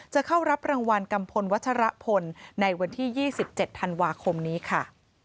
จะเข้ารับรางวัลกัมพลวัชรพลในวันที่๒๗ธันวาคมนี้ค่ะ